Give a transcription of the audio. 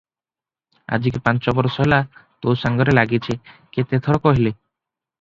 ଆଜିକି ପାଞ୍ଚ ବରଷ ହେଲା ତୋ ସାଙ୍ଗରେ ଲାଗିଛି, କେତେ ଥର କହିଲି!